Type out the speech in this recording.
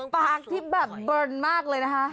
ปากที่แบบเบิร์นมากเลยนะคะ